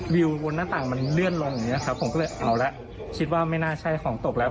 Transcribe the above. วิวบนหน้าต่างมันเลื่อนลงอย่างเงี้ครับผมก็เลยเอาละคิดว่าไม่น่าใช่ของตกแล้ว